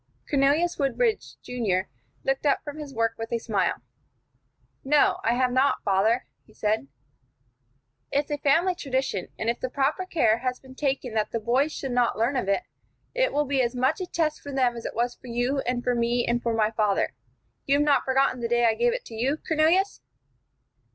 Cornelius Woodbridge, Junior, looked up from his work with a smile. "No, I have not, father," he said. "It's a family tradition; and if the proper care has been taken that the boys should not learn of it, it will be as much a test for them as it was for you and for me and for my father. You have not forgotten the day I gave it to you, Cornelius?"